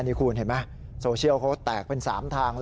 นี่คุณเห็นไหมโซเชียลเขาแตกเป็น๓ทางเลย